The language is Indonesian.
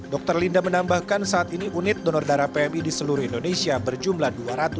dokter linda menambahkan saat ini unit donor darah pmi di seluruh indonesia berjumlah dua ratus tiga puluh tiga